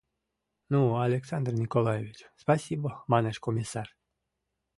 — Ну, Александр Николаевич, спасибо, — манеш комиссар.